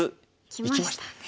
いきましたね。